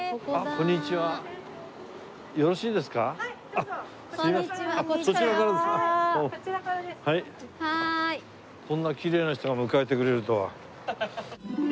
こんなきれいな人が迎えてくれるとは。